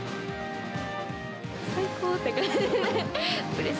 最高って感じ。